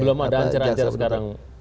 belum ada anjar anjar sekarang